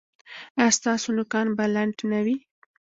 ایا ستاسو نوکان به لنډ نه وي؟